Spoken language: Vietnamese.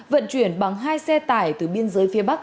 vận chuyển bằng hai xe tải từ biên giới phía bắc